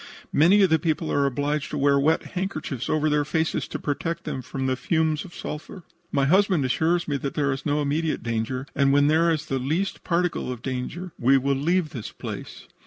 Many of the people are obliged to wear wet handkerchiefs over their faces to protect them from the fumes of sulphur. "My husband assures me that there is no immediate danger, and when there is the least particle of danger we will leave the place.